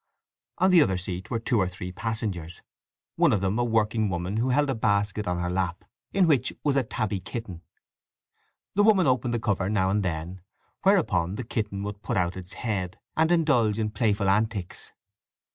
On the other seat were two or three passengers, one of them a working woman who held a basket on her lap, in which was a tabby kitten. The woman opened the cover now and then, whereupon the kitten would put out its head, and indulge in playful antics.